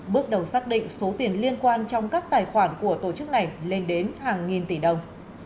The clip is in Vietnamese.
bước đầu xác định số tiền liên quan trong các tài khoản của tổ chức này lên đến hàng nghìn tỷ đồng